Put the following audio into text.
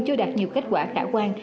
chưa đạt nhiều kết quả khả quan